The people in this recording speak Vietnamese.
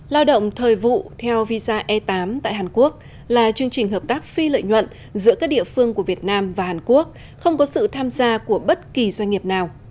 lao động thời vụ theo visa e tám tại hàn quốc là chương trình hợp tác phi lợi nhuận giữa các địa phương của việt nam và hàn quốc không có sự tham gia của bất kỳ doanh nghiệp nào